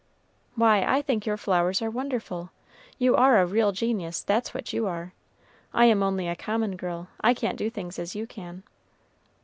"Why, I think your flowers are wonderful! You are a real genius, that's what you are! I am only a common girl; I can't do things as you can."